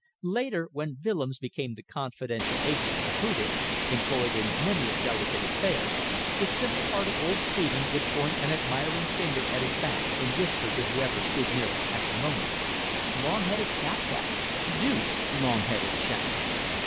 Later when Willems became the confidential agent of Hudig, employed in many a delicate affair, the simple hearted old seaman would point an admiring finger at his back and whisper to whoever stood near at the moment, "Long headed chap that; deuced long headed chap.